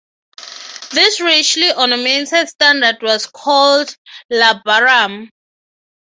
This richly ornamented standard was called "labarum".